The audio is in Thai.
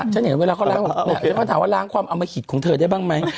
ฉันเห็นเวลาเขาล้างฉันก็ถามว่าล้างความอมหิตของเธอได้บ้างไหม